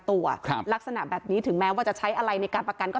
ตัวครับลักษณะแบบนี้ถึงแม้ว่าจะใช้อะไรในการประกันก็